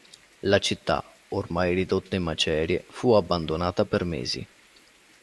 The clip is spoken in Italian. La città, ormai ridotta in macerie, fu abbandonata per mesi.